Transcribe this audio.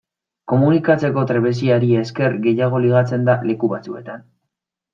Komunikatzeko trebeziari esker gehiago ligatzen da leku batzuetan.